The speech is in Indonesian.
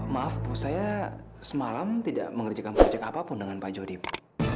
maaf bu saya semalam tidak mengerjakan proyek apapun dengan pak jody bu